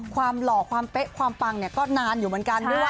หล่อความเป๊ะความปังเนี่ยก็นานอยู่เหมือนกันด้วย